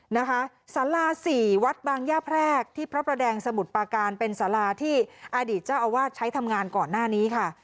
นะคะสาราสี่วัดบางย่าแพรกที่พระประแดงสมุทรปาการเป็นสาราที่อดีตเจ้าอาวาสใช้ทำงานก่อนหน้านี้ค่ะ